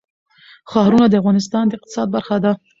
ښارونه د افغانستان د اقتصاد برخه ده.